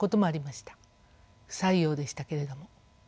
不採用でしたけれども。